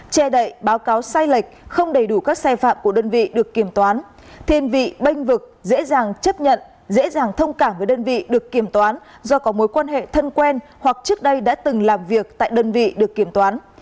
che đậy báo cáo sai lệch không đầy đủ các sai phạm của đơn vị được kiểm toán thiên vị banh vực dễ dàng chấp nhận dễ dàng thông cảm với đơn vị được kiểm toán do có mối quan hệ thân quen hoặc trước đây đã từng làm việc tại đơn vị được kiểm toán